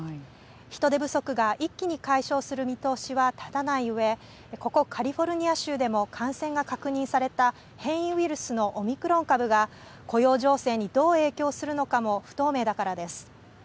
人手不足が一気に解消する見通しは立たないうえ、ここカリフォルニア州でも感染が確認された変異ウイルスのオミクロン株が、雇用情勢にどう影響するかも不透明だからです。